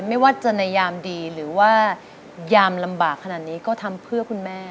ไม่ว่าจะในยามดีหรือว่ายามลำบากขนาดนี้ก็ทำเพื่อคุณแม่